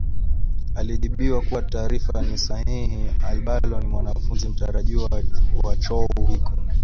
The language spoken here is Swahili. alijibiwa kuwa taarifa ni sahihi Albalo ni mwanafunzi mtarajiwa wa chou hiko